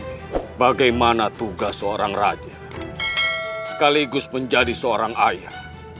bagaimana tugas seorang raja sekaligus menjadi seorang ayah